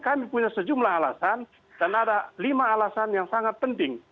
kami punya sejumlah alasan dan ada lima alasan yang sangat penting